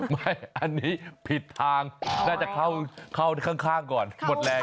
ไม่อันนี้ผิดทางน่าจะเข้าข้างก่อนหมดแรง